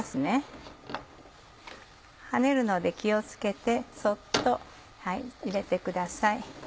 跳ねるので気を付けてそっと入れてください。